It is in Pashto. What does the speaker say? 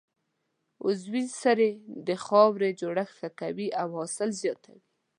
عضوي سرې د خاورې جوړښت ښه کوي او حاصل زیاتوي.